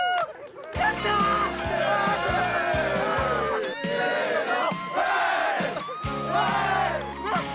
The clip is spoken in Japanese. やった！せの。